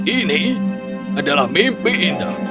ini adalah mimpi indah